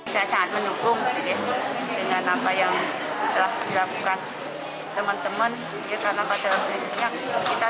saya sangat mendukung dengan apa yang telah dilakukan teman teman karena pada prinsipnya kita